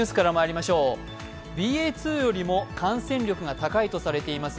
ＢＡ．２よりも感染力が高いとされています